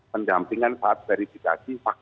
pendampingan saat verifikasi